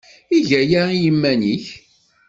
Eg aya i yiman-nnek.